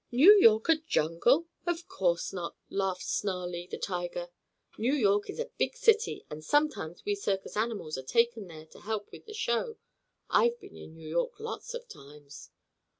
"New York a jungle? Of course not!" laughed Snarlie, the tiger. "New York is a big city, and sometimes we circus animals are taken there to help with the show. I've been in New York lots of times."